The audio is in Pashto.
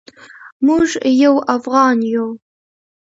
موږ یو افغان یو.